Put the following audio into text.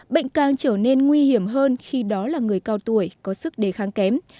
bệnh càng trở nên nguy hiểm hơn khi đó là người cao tuổi có sức đề kháng kém